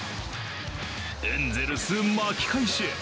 エンゼルス巻き返しへ。